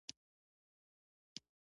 مکتوب او قيمتي جواهراتو ورسره وه.